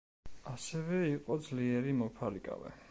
ასევე იყო ძლიერი მოფარიკავე.